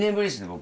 僕。